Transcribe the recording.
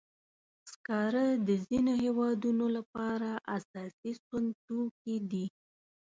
سکاره د ځینو هېوادونو لپاره اساسي سون توکي دي.